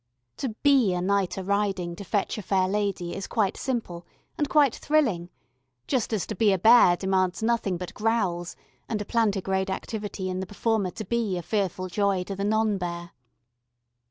To be a knight a riding to fetch a fair lady is quite simple, and quite thrilling just as to be a bear demands nothing but growls and a plantigrade activity in the performer to be a fearful joy to the non bear.